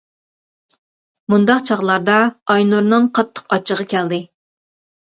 مۇنداق چاغلاردا ئاينۇرنىڭ قاتتىق ئاچچىقى كەلدى.